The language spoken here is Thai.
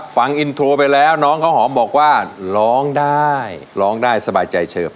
ฟังอินโทรไปแล้วน้องข้าวหอมบอกว่าร้องได้ร้องได้สบายใจเฉิบ